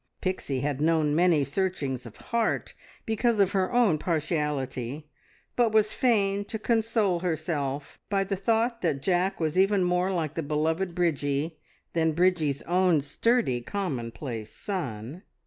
Pixie had known many searchings of heart because of her own partiality, but was fain to console herself by the thought that Jack was even more like the beloved Bridgie than Bridgie's own sturdy, commonplace son.